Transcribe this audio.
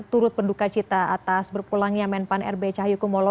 turut penduka cita atas berpulangnya men pan r b cahyukumolo